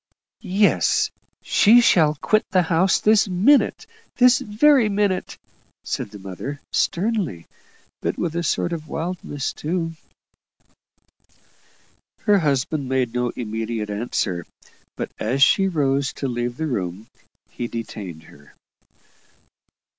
"Yes; she shall quit the house this minute this very minute," said the mother, sternly, but with a sort of wildness too. Her husband made no immediate answer; but as she rose to leave the room, he detained her.